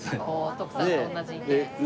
徳さんと同じ意見。